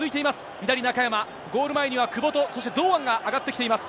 左、中山、ゴール前には久保と、そして堂安が上がってきています。